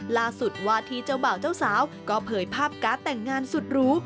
ล่าสุดวาทีเจ้าบ่าวเจ้าสาวก็เผยภาพการ์ดแต่งงานสุดหรู